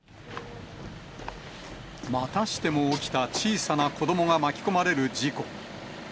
またしても起きた、小さな子どもが巻き込まれる事故。